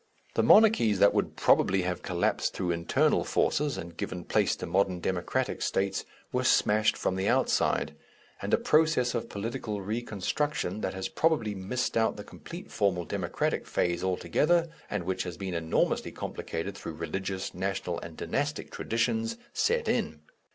The monarchies that would probably have collapsed through internal forces and given place to modern democratic states were smashed from the outside, and a process of political re construction, that has probably missed out the complete formal Democratic phase altogether and which has been enormously complicated through religious, national, and dynastic traditions set in.